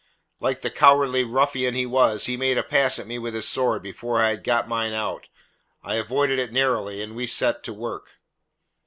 Like the cowardly ruffian he was, he made a pass at me with his sword before I had got mine out. I avoided it narrowly, and we set to work.